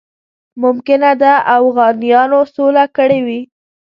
ممکنه ده اوغانیانو سوله کړې وي.